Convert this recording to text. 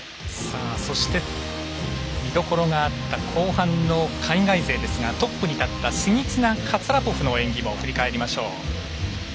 そして見どころがあった後半の海外勢ですがトップに立ったシニツィナ、カツァラポフの演技も振り返りましょう。